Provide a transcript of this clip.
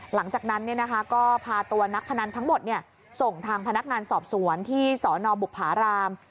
หลังจากนั้นก็พาตัวนักพนันทั้งหมดส่งทางพนักงานสอบสวนที่สนบุภาราม